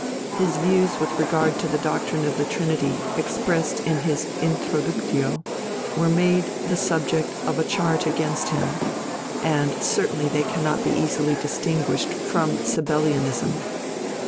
His views with regard to the doctrine of the Trinity expressed in his Introductio (Traité de la Trinité) were made the subject of a charge against him, and certainly they cannot be easily distinguished from Sabellianism.